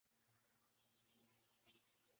مسلم لیگ کے نام پر کھلے عام دھوکہ ۔